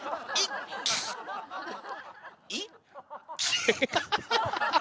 アハハハ！